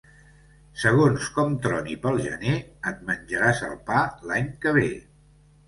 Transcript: Segons com troni pel gener, et menjaràs el pa l'any que ve.